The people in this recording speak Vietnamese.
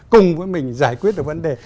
cùng với mình giải quyết được vấn đề